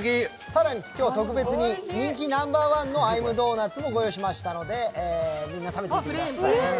更に今日は特別に人気ナンバーワンのＩ’ｍｄｏｎｕｔ？も用意しましたので、みんな食べてみてください。